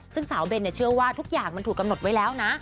ซึ่งสาวเบนเชื่อว่าทุกอย่างมันถูกกำหนดไว้แล้วนะ